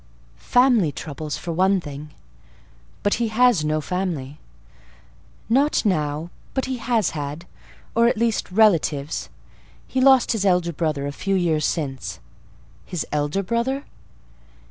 "Family troubles, for one thing." "But he has no family." "Not now, but he has had—or, at least, relatives. He lost his elder brother a few years since." "His elder brother?"